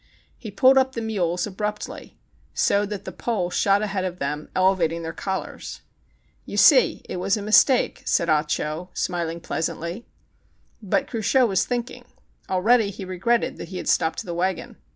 He pulled up the mules abruptly, so that the pole shot ahead of them, elevating their collars. "You see, it was a mistake," said Ah Cho, smiling pleasantly. But Cruchot was thinking. Already he re gretted that he had stopped the wagon.